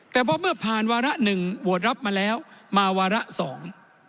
แต่พอเมื่อผ่านวาระหนึ่งโหวตรับมาแล้วมาวาระสอง